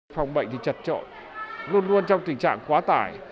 phòng bệnh thì chặt chội luôn luôn trong tình trạng quá tải